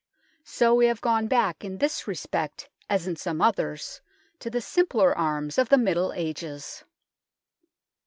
So we have gone back, in this respect as in some others, to the simpler arms of the Middle Ages.